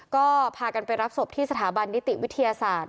ก็พากันไปรับศพที่สถาบันนิติวิทยาศาสตร์